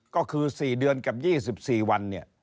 ก็คือ๔เดือนกับ๒๔วัน